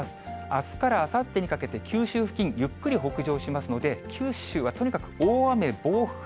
あすからあさってにかけて、九州付近、ゆっくり北上しますので、九州はとにかく大雨、暴風、